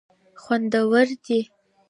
خوندور دي.